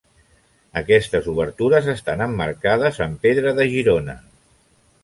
Aquestes obertures estan emmarcades amb pedra de Girona.